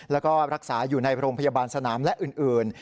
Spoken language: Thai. แล้วก็รักษาอยู่ในโรงพยาบาลสนามและอื่น